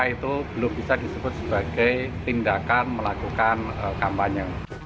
itu belum bisa disebut sebagai tindakan melakukan kampanye